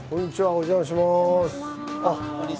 お邪魔します。